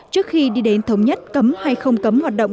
trước khi đi đến thống nhất cấm hay không cấm hoạt động